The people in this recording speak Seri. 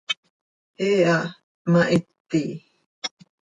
He ha hpmahiti.